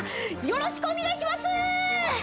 よろしくお願いします！